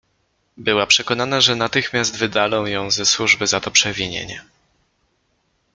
Była przekonana, że natychmiast wydalą ją ze służby za to przewinienie!